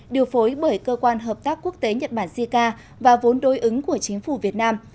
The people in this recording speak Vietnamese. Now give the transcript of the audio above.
điều phối bởi cơ quan hợp tác quốc tế nhật bản jica và vốn đối ứng của chính phủ việt nam